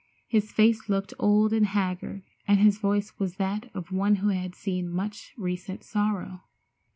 His face looked old and haggard, and his voice was that of one who had seen much recent sorrow.